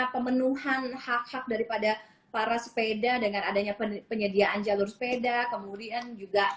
pemenuhan hak hak daripada para sepeda dengan adanya penyediaan jalur sepeda kemudian juga